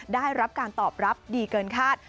ได้รับการตอบรับดีเกินคาด